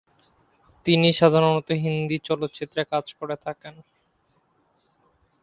তিনি সাধারণত হিন্দি চলচ্চিত্রে কাজ করে থাকেন।